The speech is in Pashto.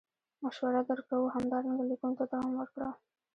مشوره در کوو همدارنګه لیکنو ته دوام ورکړه.